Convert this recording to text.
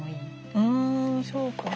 ふんそうか。